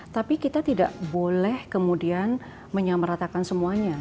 tapi kita tidak boleh kemudian menyamaratakan semuanya